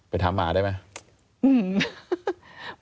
ไปถามหมาได้ไหม